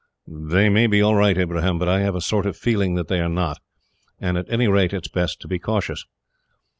"They may be all right, Ibrahim, but I have a sort of feeling that they are not, and at any rate, it is best to be cautious."